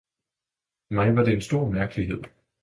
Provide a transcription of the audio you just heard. mig var det en stor mærkelighed.